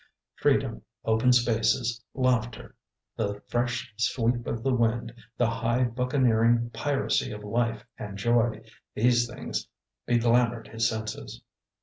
Freedom, open spaces, laughter, the fresh sweep of the wind, the high bucaneering piracy of life and joy these things beglamoured his senses.